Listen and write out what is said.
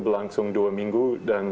berlangsung dua minggu dan